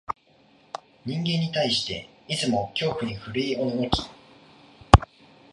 人間に対して、いつも恐怖に震いおののき、